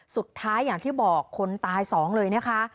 สุดท้ายอย่างที่บอกคนตายสองเลยนะคะ